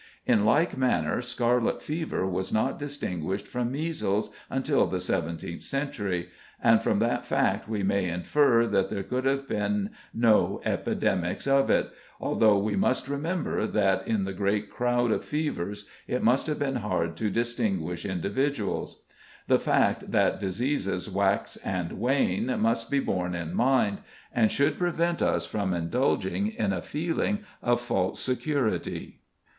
In like manner, scarlet fever was not distinguished from measles until the seventeenth century, and from that fact we may infer that there could have been no epidemics of it, although we must remember that in the great crowd of fevers it must have been hard to distinguish individuals. The fact that diseases wax and wane must be borne in mind, and should prevent us from indulging in a feeling of false security.